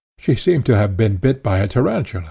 She seemed to have been bit by the tarantula.